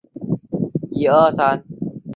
颜钦贤毕业于日本立命馆大学经济科。